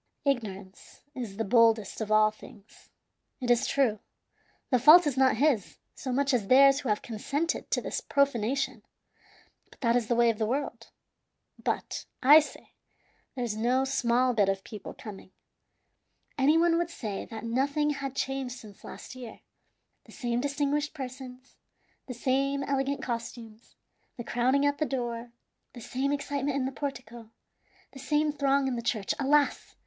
"Ignorance is the boldest of all things. It is true, the fault is not his, so much as theirs who have consented to this profanation, but that is the way of the world. But, I say, there's no small bit of people coming. Any one would say that nothing had changed since last year. The same distinguished persons, the same elegant costumes, the crowding at the door, the same excitement in the portico, the same throng in the church. Alas!